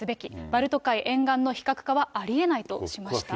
バルト海沿岸の非核化はありえないとしました。